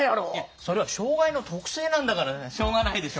それは障害の特性なんだからしょうがないでしょ。